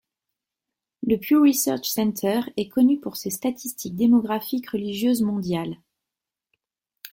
Le Pew Research Center est connu pour ses statistiques démographiques religieuses mondiales.